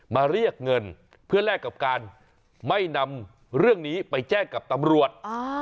เรียกเงินเพื่อแลกกับการไม่นำเรื่องนี้ไปแจ้งกับตำรวจ